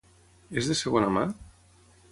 És de segona mà?